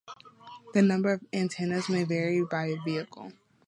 The number of antennas may vary by vehicle.